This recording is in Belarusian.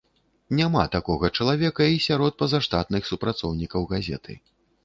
Няма такога чалавека і сярод пазаштатных супрацоўнікаў газеты.